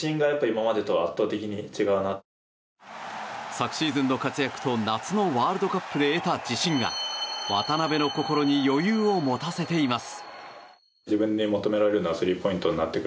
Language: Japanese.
昨シーズンの活躍と夏のワールドカップで得た自信が渡邊の心に余裕を持たせています。